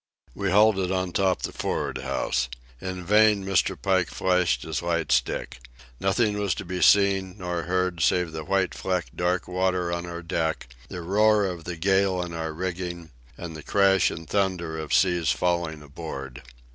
We halted on top the for'ard house. In vain Mr. Pike flashed his light stick. Nothing was to be seen nor heard save the white flecked dark water on our deck, the roar of the gale in our rigging, and the crash and thunder of seas falling aboard.